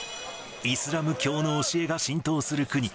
イスラム教の教えが浸透する国。